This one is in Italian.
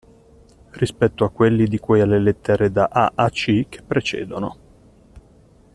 Rispetto a quelli di cui alle lettere da a) a c) che precedono.